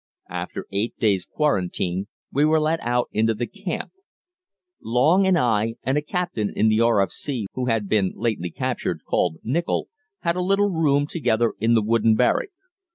After eight days' quarantine we were let out into the camp. Long and I, and a captain in the R.F.C. who had been lately captured, called Nichol, had a little room together in the wooden barrack.